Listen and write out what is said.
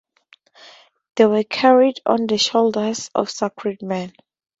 They were carried on the shoulders of sacred men.